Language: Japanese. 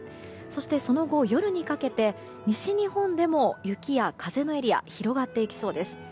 そしてその後、夜にかけて西日本でも雪や風のエリア広がっていきそうです。